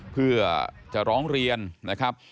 เพื่อจะร้องเรียนนะครับ